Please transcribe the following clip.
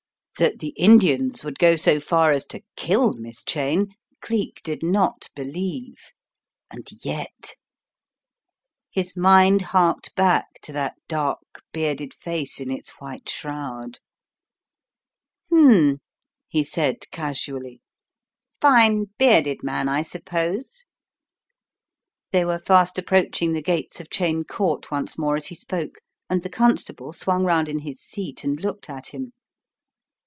That the Indians would go so far as to 34 The Riddle of the Purple Emperor kill Miss Cheyne Cleek did not believe, and yet — his mind harked back to that dark, bearded face in its white shroud. "Hm," he said, casually. "Fine, bearded man I suppose?" They were fast approaching the gates of Cheyne Court once more as he spoke, and the con* stable swung round in his seat and looked at him.